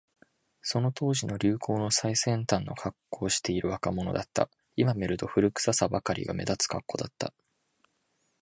その当時の流行の最先端のカッコをしている若者だった。今見ると、古臭さばかりが目立つカッコだった。